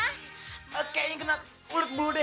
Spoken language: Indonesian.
sayang sayang kamu kenapa kok gitu gitu sih